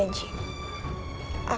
aku benar benar percita